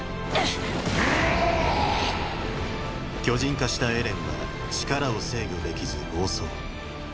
巨人化したエレンは力を制御できず暴走。